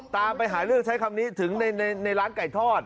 ตามไปหาเรื่องใช้คำนี้ถึงในร้านไก่ทอด